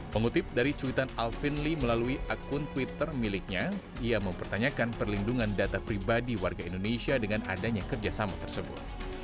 mengutip dari cuitan alvin lee melalui akun twitter miliknya ia mempertanyakan perlindungan data pribadi warga indonesia dengan adanya kerjasama tersebut